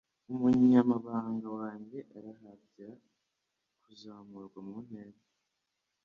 Umunyamabanga wanjye arihatira kuzamurwa mu ntera.